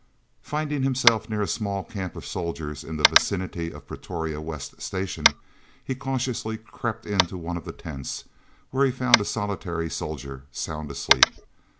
Finding himself near a small camp of soldiers in the vicinity of the Pretoria West Station, he cautiously crept into one of the tents, where he found a solitary soldier, sound asleep.